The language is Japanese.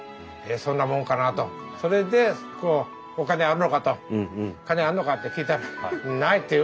それでお金あるのかと金あんのかって聞いたらないって言う。